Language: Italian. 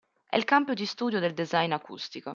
È il campo di studio del design acustico.